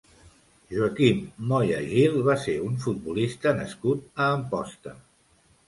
Joaquim Moya Gil va ser un futbolista nascut a Amposta.